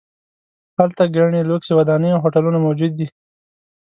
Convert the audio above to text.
هلته ګڼې لوکسې ودانۍ او هوټلونه موجود دي.